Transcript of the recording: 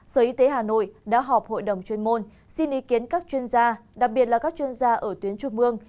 sở y tế hà nội đã họp hội đồng chuyên môn xin ý kiến các chuyên gia đặc biệt là các chuyên gia ở tuyến trung ương